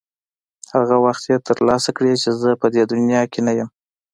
هغه وخت یې ترلاسه کړې چې زه به په دې دنیا کې نه یم.